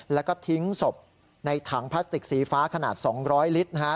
แล้วก็ทิ้งศพในถังพลาสติกสีฟ้าขนาด๒๐๐ลิตรนะฮะ